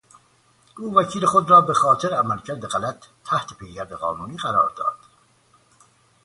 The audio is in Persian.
او وکیل خود را به خاطر عملکرد غلط تحت پیگرد قانونی قرار داد.